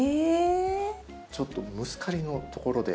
ちょっとムスカリのところで。